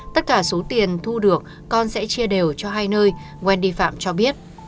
tất cả số tiền thu được con sẽ chia đều cho hai nơi wendy phạm cho biết